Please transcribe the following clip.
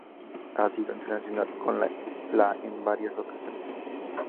Ha sido internacional con la en varias ocasiones.